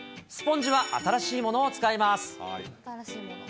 スポンジは新しいものを使います。